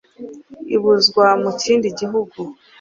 ibuzwa mu kindi gihugu.